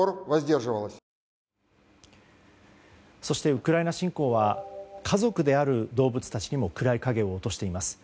ウクライナ侵攻は家族である動物たちにも暗い影を落としています。